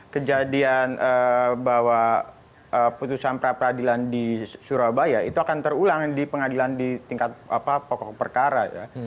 kejadian bahwa putusan pra peradilan di surabaya itu akan terulang di pengadilan di tingkat pokok perkara ya